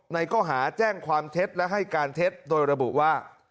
ข้อหาแจ้งความเท็จและให้การเท็จโดยระบุว่า